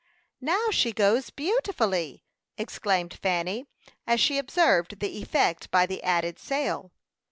"Now she goes beautifully!" exclaimed Fanny, as she observed the effect by the added sail.